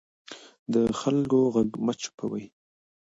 د خلکو غږ مه چوپوئ